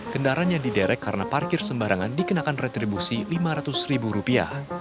kendaraan yang diderek karena parkir sembarangan dikenakan retribusi lima ratus ribu rupiah